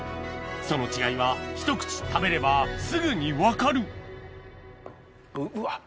その違いはひと口食べればすぐに分かるうわ